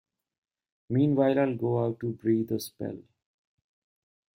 Meanwhile I'll go out to breathe a spell.